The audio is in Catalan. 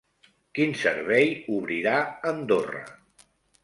Quin servei obrirà Andorra?